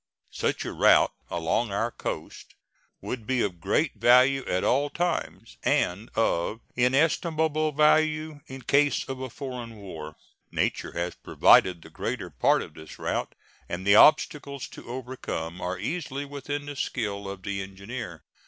Such a route along our coast would be of great value at all times, and of inestimable value in case of a foreign war. Nature has provided the greater part of this route, and the obstacles to overcome are easily within the skill of the engineer.